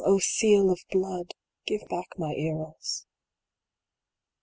O seal of blood ! Give back my Eros.